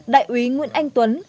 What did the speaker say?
đại úy nguyễn anh tuấn